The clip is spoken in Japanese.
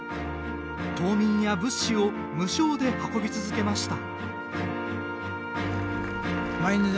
島民や物資を無償で運び続けました。